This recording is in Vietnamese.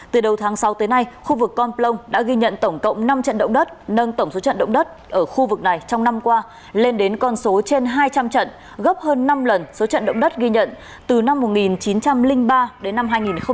từ đầu tháng sáu tới nay khu vực con plong đã ghi nhận tổng cộng năm trận động đất nâng tổng số trận động đất ở khu vực này trong năm qua lên đến con số trên hai trăm linh trận gấp hơn năm lần số trận động đất ghi nhận từ năm một nghìn chín trăm linh ba đến năm hai nghìn một mươi ba